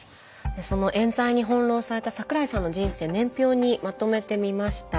そのえん罪に翻弄された桜井さんの人生年表にまとめてみました。